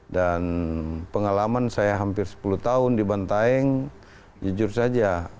dan pengalaman saya hampir sepuluh tahun di bantaeng jujur saja